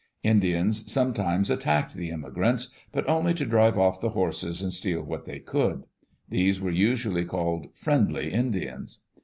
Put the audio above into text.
Indians sometimes attacked the immigrants, but only to drive off the horses and steal what they could. These were usually called "friendly" Indians!